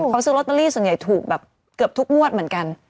เขาซื้อลอตเตอรี่ส่วนใหญ่ถูกแบบเกือบทุกงวดเหมือนกัน